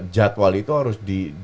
jadwal itu harus